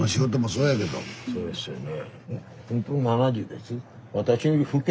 そうですよね。